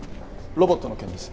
ロボットの件です。